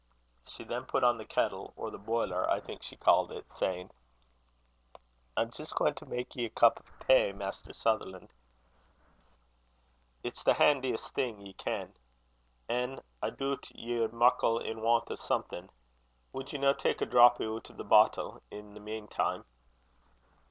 She then put on the kettle, or the boiler I think she called it saying: "I'm jist gaein' to mak' ye a cup o' tay, Mr. Sutherlan'. It's the handiest thing, ye ken. An' I doot ye're muckle in want o' something. Wad ye no tak' a drappy oot o' the bottle, i' the mane time?"